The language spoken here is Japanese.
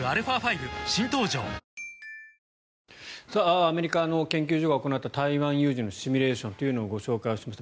アメリカの研究所が行った台湾有事のシミュレーションというのをご紹介をしました。